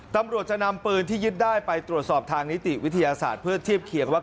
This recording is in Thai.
ตำรวจจะนำปืนที่ยึดได้ไปตรวจสอบทางนิติวิทยาศาสตร์เพื่อเทียบเคียงว่า